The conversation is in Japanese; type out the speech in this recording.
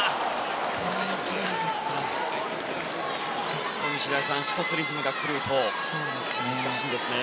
本当に白井さん１つリズムが狂うと難しいですね。